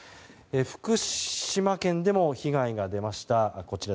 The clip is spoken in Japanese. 福島県でも被害が出ました。